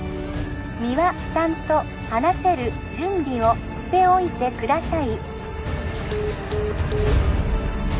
☎三輪さんと話せる準備をしておいてください